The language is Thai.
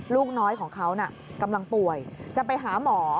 ลูกน้อยของเขาน่ะกำลังป่วยจะไปหาหมอ